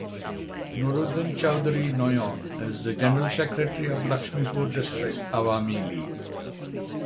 Nuruddin Chowdhury Noyon is the general secretary of Laxmipur district Awami League.